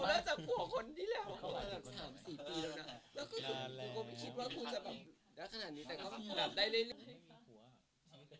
แล้วก็กูคิดว่าคุณจะแบบ